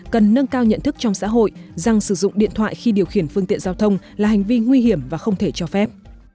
cần nâng cao nhận thức trong xã hội rằng sử dụng điện thoại khi điều khiển phương tiện giao thông là hành vi nguy hiểm và không thể cho phép